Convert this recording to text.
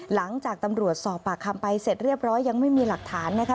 หลังจากตำรวจสอบปากคำไปเสร็จเรียบร้อยยังไม่มีหลักฐานนะคะ